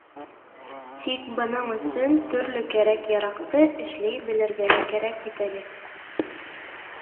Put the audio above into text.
Тик бының өсөн төрлө кәрәк-яраҡты эшләй белергә лә кәрәк бит әле.